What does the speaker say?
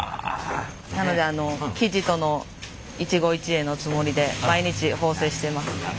なので生地との一期一会のつもりで毎日縫製しています。